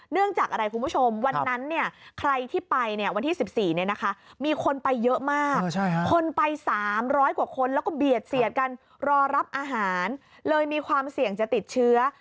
จากอะไรคุณผู้ชมวันนั้นเนี่ยใครที่ไปเนี่ยวันที่๑๔เนี่ยนะคะมีคนไปเยอะมากคนไป๓๐๐กว่าคนแล้วก็เบียดเสียดกันรอรับอาหารเลยมีความเสี่ยงจะติดเชื้อ